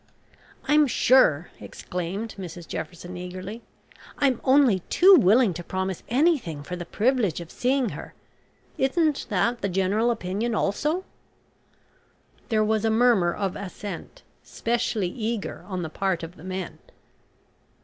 "I'm sure," exclaimed Mrs Jefferson eagerly, "I'm only too willing to promise anything for the privilege of seeing her. Isn't that the general opinion also?" There was a murmur of assent, specially eager on the part of the men.